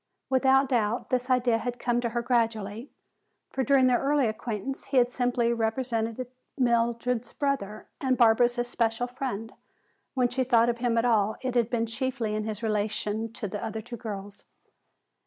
Without doubt this idea had come to her gradually, for during their early acquaintance he had simply represented Mildred's brother and Barbara's especial friend. When she thought of him at all it had been chiefly in his relation to the other two girls.